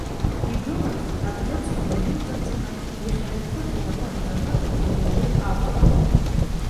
Игылаз, абӷьыцқәа наимҵаҵаны, иахьаҭахыз инапы анҵаны, днагьежьыр акәын.